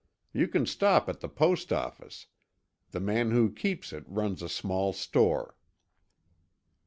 You can stop at the post office. The man who keeps it runs a small store."